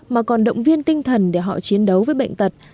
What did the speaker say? mà còn động viên tinh thần để họ chiến đấu với bệnh tật